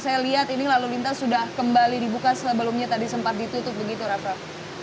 saya lihat ini lalu lintas sudah kembali dibuka sebelumnya tadi sempat ditutup begitu raff raff